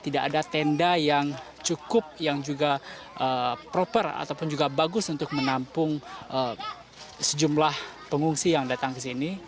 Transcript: tidak ada tenda yang cukup yang juga proper ataupun juga bagus untuk menampung sejumlah pengungsi yang datang ke sini